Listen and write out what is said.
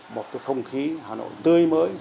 một cái không khí hà nội tươi mới